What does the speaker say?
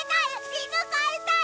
犬飼いたい！